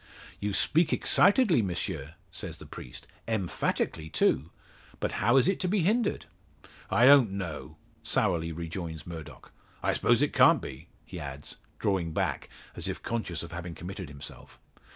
"You speak excitedly, M'sieu," says the priest, "emphatically, too. But how is it to be hindered?" "I don't know," sourly rejoins Murdock; "I suppose it can't be," he adds, drawing back, as if conscious of having committed himself.